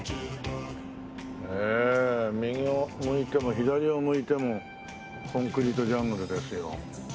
へえ右を向いても左を向いてもコンクリートジャングルですよ。